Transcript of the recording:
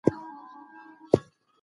مینه په مینه پیدا کېږي.